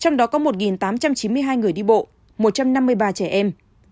một trăm chín mươi hai người đi bộ một trăm năm mươi ba trẻ em